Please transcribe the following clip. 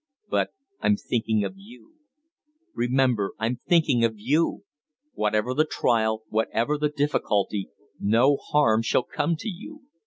But I'm thinking of you. Remember, I'm thinking of you! Whatever the trial, whatever the difficulty, no harm shall come to you.